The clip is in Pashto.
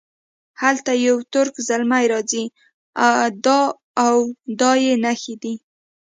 هلته یو ترک زلمی راځي دا او دا یې نښې دي.